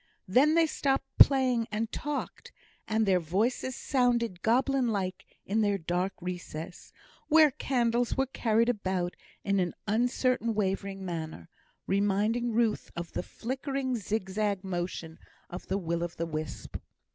Then they stopped playing and talked, and their voices sounded goblin like in their dark recess, where candles were carried about in an uncertain wavering manner, reminding Ruth of the flickering zigzag motion of the will o' the wisp.